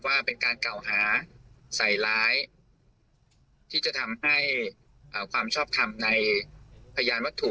ว่าเป็นการเก่าหาใส่ร้ายที่จะทำให้ความชอบทำในพยานวัตถุ